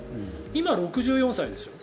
今６４歳でしょ。